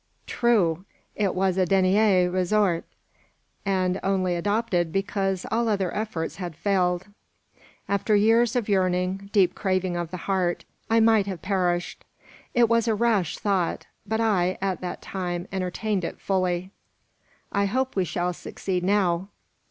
"True! It was a dernier ressort, and only adopted because all other efforts had failed; after years of yearning, deep craving of the heart. I might have perished. It was a rash thought, but I, at that time, entertained it fully." "I hope we shall succeed now."